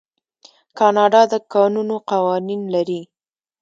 کاناډا د کانونو قوانین لري.